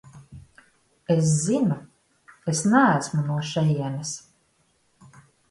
Es zinu, es neesmu no šejienes.